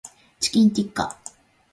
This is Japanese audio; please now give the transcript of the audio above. チキンティッカ